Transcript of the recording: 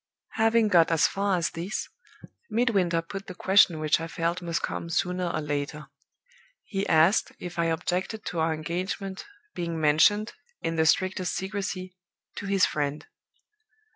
"Having got as far as this, Midwinter put the question which I felt must come sooner or later. He asked if I objected to our engagement being mentioned, in the strictest secrecy, to his friend.